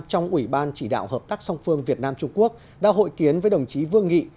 trong ủy ban chỉ đạo hợp tác song phương việt nam trung quốc đã hội kiến với đồng chí vương nghị